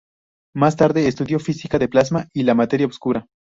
Más tarde, estudió física del plasma y la materia oscura.